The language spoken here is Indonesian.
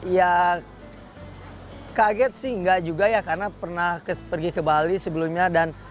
ya kaget sih enggak juga ya karena pernah pergi ke bali sebelumnya dan